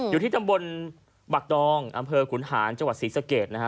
อยู่ที่ตำบลบักดองอำเภอขุนหานจังหวัดศรีสะเกดนะฮะ